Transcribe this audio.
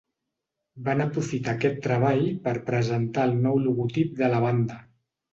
Van aprofitar aquest treball per presentar el nou logotip de la banda.